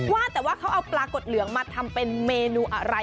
ว่าแต่ว่าเขาเอาปลากดเหลืองมาทำเป็นเมนูอะไร